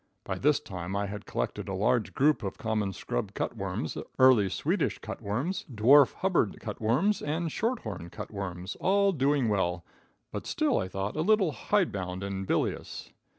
By this time I had collected a large group of common scrub cut worms, early Swedish cut worms, dwarf Hubbard cut worms, and short horn cut worms, all doing well, but still, I thought, a little hide bound and bilious.